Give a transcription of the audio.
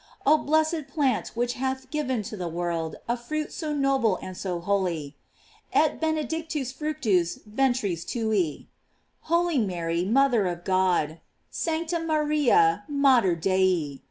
Oh blessed plant which hath given to the world a fruit so noble and so holy: "Et benedictus fructus ventris tui." Holy Mary, mother of God: "Sancta Maria, mater Dei."